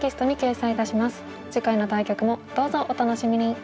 次回の対局もどうぞお楽しみに！